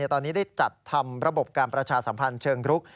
ตอนนี้ได้จัดทำระบบการประชาสัมพันธ์เชิงรุก